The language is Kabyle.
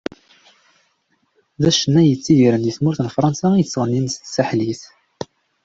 D acennay yettidiren di tmurt n Fransa i yettɣenin s tsaḥlit.